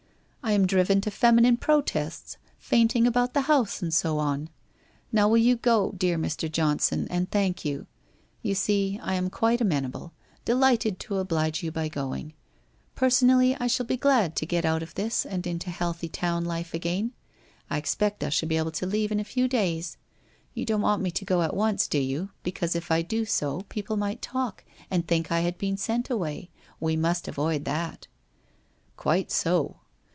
I am driven to feminine protests — fainting about the house and so on. Now, will you go, dear Mr. Johnson, and thank you. You see I am quite amenable — delighted to oblige you by going. Per sonally, I shall be glad to get out of this and into healthy town life again. I expect I shall be able to leave in a few days ! You don't want me to go at once, do you, because, if I do so, people might talk and think I had been sent away. We must avoid that.' ' Quite so.